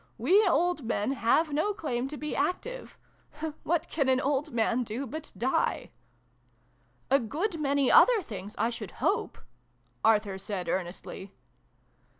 " We old men have no claim to be active ! What can an old man do bid die ?"" A good many other things, I should hope" Arthur said earnestly.